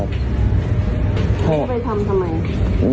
จะไปทำทำไม